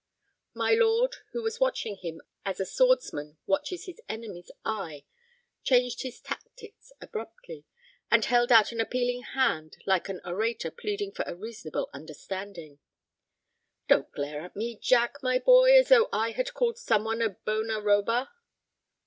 My lord, who was watching him as a swordsman watches his enemy's eye, changed his tactics abruptly, and held out an appealing hand like an orator pleading for a reasonable understanding. "Don't glare at me, Jack, my boy, as though I had called some one a bona roba.